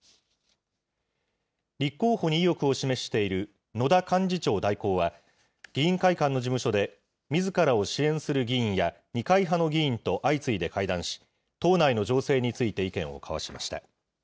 立候補に意欲を示している野田幹事長代行は、議員会館の事務所でみずからを支援する議員や二階派の議員と相次いで会談し、党内の情勢について意見を交わしました。